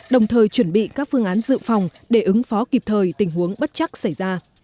đồng thời chuẩn bị các phương án dự phòng để ứng phó kịp thời tình huống bất chắc xảy ra